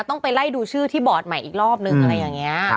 ต้องไปไล่ดูชื่อที่บอร์ดใหม่อีกรอบนึงอะไรอย่างนี้